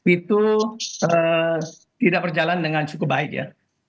itu tidak berjalan dengan cukup baik ya